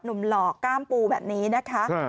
หนุ่มหลอกก้ามปูแบบนี้นะคะ